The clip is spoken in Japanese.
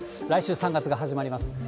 来週、３月が始まります。